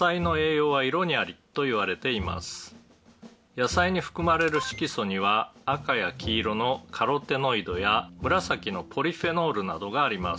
「野菜に含まれる色素には赤や黄色のカロテノイドや紫のポリフェノールなどがあります」